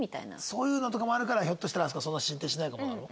そういうのとかもあるからひょっとしたらあそこそんなに進展しないかもなの？